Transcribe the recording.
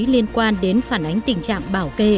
liên quan đến phản ánh tình trạng bảo kê